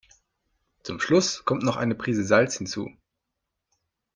Zum Schluss kommt noch eine Prise Salz hinzu.